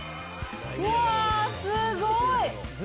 うわー、すごい。